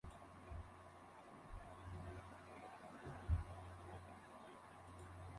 El Norwich City Ladies es el club femenino de fútbol afiliado a Norwich City.